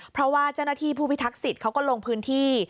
เพราะว่าเจ้าหน้าที่ผู้พิทักษิตเขาก็ลงพื้นที่